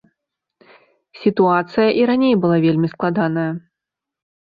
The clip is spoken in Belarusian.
Сітуацыя і раней была вельмі складаная.